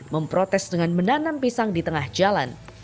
memprotes dengan menanam pisang di tengah jalan